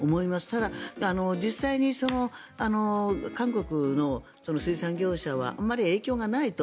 ただ、実際に韓国の水産業者はあまり影響がないと。